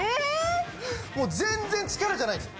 もう全然力じゃないんです。